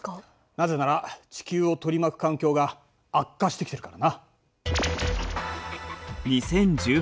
なぜなら地球を取り巻く環境が悪化してきているからな。